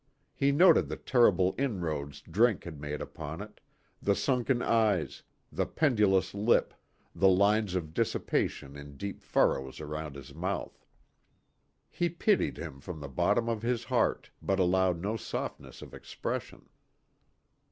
He noted the terrible inroads drink had made upon it, the sunken eyes, the pendulous lip, the lines of dissipation in deep furrows round his mouth. He pitied him from the bottom of his heart, but allowed no softness of expression.